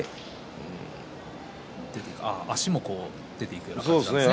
足も出ていくような感じですか。